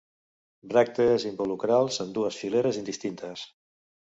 Bràctees involucrals en dues fileres indistintes.